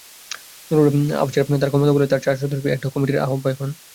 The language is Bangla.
নুরুল আবছার তাঁর ক্ষমতাবলে আবার চার সদস্যবিশিষ্ট এডহক কমিটির আহ্বায়ক হন।